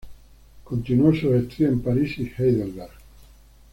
Continuó sus estudios en París y Heidelberg.